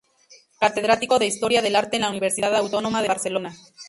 Catedrático de historia del arte en la Universidad Autónoma de Barcelona.